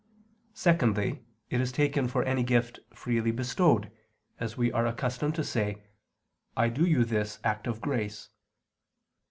Secondly, it is taken for any gift freely bestowed, as we are accustomed to say: I do you this act of grace.